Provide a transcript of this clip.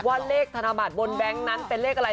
ว่าเลขธนบัตรบนแบงค์นั้นเป็นเลขอะไร